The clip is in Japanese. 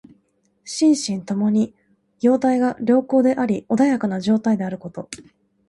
心身ともに様態が良好であり穏やかな状態であること。